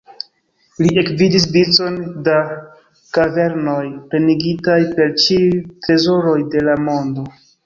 Li ekvidis vicon da kavernoj, plenigitaj per ĉiuj trezoroj de la mondo.